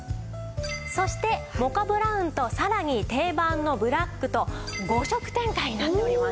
そしてモカブラウンとさらに定番のブラックと５色展開になっております。